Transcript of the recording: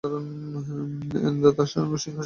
তখন সিংহাসন হইতে রাজা একবার শেখরের মুখের দিকে চাহিলেন।